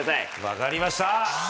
分かりました。